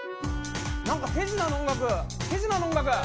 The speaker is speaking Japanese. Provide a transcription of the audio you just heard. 何か手品の音楽手品の音楽。